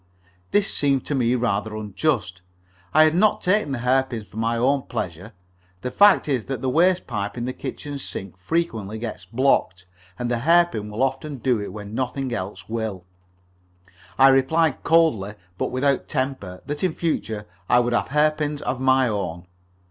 This seemed to me rather unjust. I had not taken the hairpins for my own pleasure. The fact is that the waste pipe from the kitchen sink frequently gets blocked, and a hairpin will often do it when nothing else will. I replied coldly, but without temper, that in future I would have hairpins of my own.